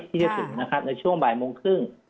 ที่จะถึงนะครับในช่วงบ่ายโมงครึ่ง